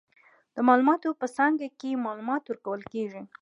د معلوماتو په څانګه کې، معلومات ورکول کیږي.